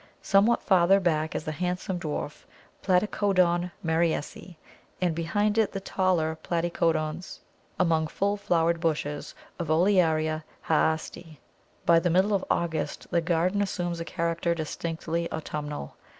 Somewhat farther back is the handsome dwarf Platycodon Mariesi, and behind it the taller Platycodons, among full flowered bushes of Olearia Haasti. By the middle of August the garden assumes a character distinctly autumnal.